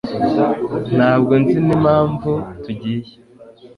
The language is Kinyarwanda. Ntabwo nzi n'impamvu tugiye.